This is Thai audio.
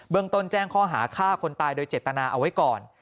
ต้นแจ้งข้อหาฆ่าคนตายโดยเจตนาเอาไว้ก่อน